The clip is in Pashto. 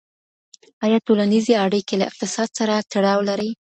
ایا ټولنیزې اړیکې له اقتصاد سره تړاو لري؟